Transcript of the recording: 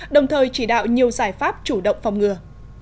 đồng thời chỉ đạo nhiều giải pháp chủ động phòng ngừa